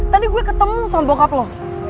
tadi gue ketemu sama bokap lo